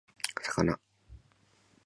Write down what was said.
魚